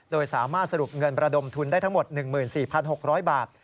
โดยสามารถสรุปเงินประดมทุนได้ทั้งหมด๑๔๖๐๐บาท